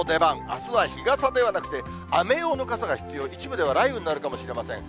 あすは日傘ではなくて、雨用の傘が必要、一部では雷雨になるかもしれません。